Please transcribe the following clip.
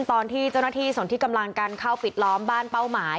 ตอนที่เจ้าหน้าที่สนที่กำลังกันเข้าปิดล้อมบ้านเป้าหมาย